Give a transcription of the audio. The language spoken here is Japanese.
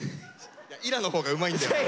惟良のほうがうまいんだよな。